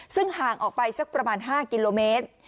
ซึ่งห่างออกไปสักประมาณ๕กิโลเมตร